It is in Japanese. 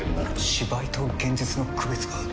芝居と現実の区別がつかない！